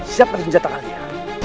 siapa yang menjatuhkan dia